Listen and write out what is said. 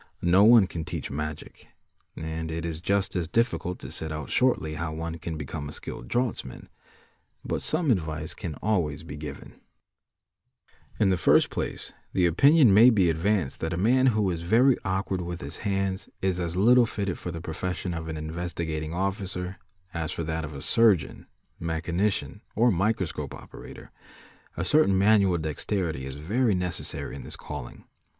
No one can teach magic, and it just as difficult to set out shortly how one can become a skilled draugh man; but some advice can always be given. q DRAWING : 449 In the first place the opinion may be advanced that a man who is | very awkward with his hands is as little fitted for the profession of an Investigating Officer as for that of a surgeon, mechanician, or microscope operator. A certain manual dexterity is very necessary in this calling.